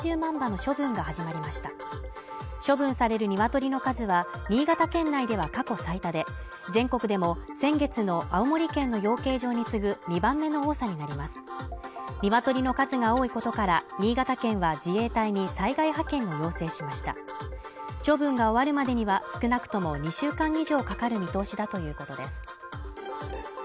処分される鶏の数は新潟県内では過去最多で全国でも先月の青森県の養鶏場に次ぐ２番目の多さになります鶏の数が多いことから新潟県は自衛隊に災害派遣を要請しました処分が終わるまでには少なくとも２週間以上かかる見通しだということです